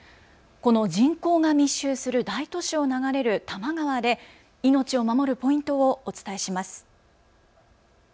この人口が密集する大都市を流れる多摩川で命を守るポイントをお伝えします。